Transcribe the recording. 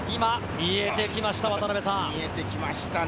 見えてきましたね。